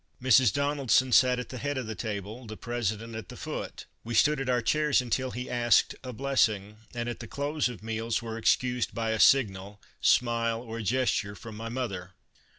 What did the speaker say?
Mrs. Donelson sat at the head of the table, the President at the foot ; we stood at our chairs until he asked a blessing, and at the close of meals were excused by a signal— smile or gesture — from my mother.